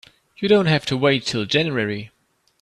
You don't have to wait till January.